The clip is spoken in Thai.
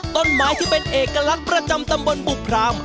ต้นไม้ที่เป็นเอกลักษณ์ประจำตำบลบุพราม